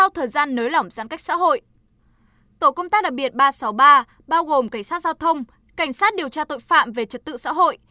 tổ công tác đặc biệt ba trăm sáu mươi ba bao gồm cảnh sát giao thông cảnh sát điều tra tội phạm về trật tự xã hội